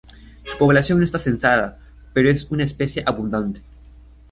Su población no está censada, pero es una especie abundante.